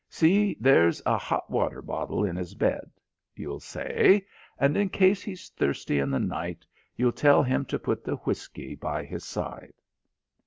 See there's a hot water bottle in his bed, you'll say, and in case he's thirsty in the night, you'll tell them to put the whisky by his side."